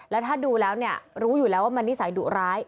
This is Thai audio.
แล้วถ้าดูแล้วเนี่ยรู้อยู่แล้วว่ามันนิสัยดุร้าย